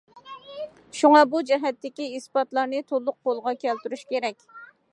شۇڭا بۇ جەھەتتىكى ئىسپاتلارنى تولۇق قولغا كەلتۈرۈش كېرەك.